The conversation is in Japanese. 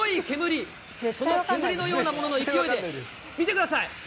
煙のようなものの勢いで、見てください。